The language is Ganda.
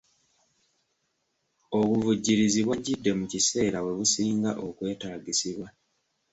Obuvujjirizi bwajjidde mu kiseera we businga okwetaagisibwa.